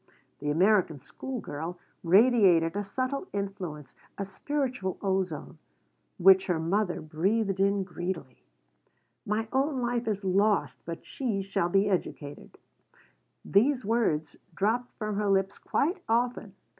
The American school girl radiated a subtle influence, a spiritual ozone, which her mother breathed in greedily "My own life is lost, but she shall be educated" these words dropped from her lips quite often.